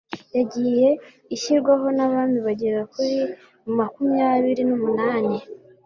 yagiye ishyirwaho n'abami bagera kuri makumyabiri numunani